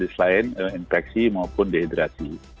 selain infeksi maupun dehidrasi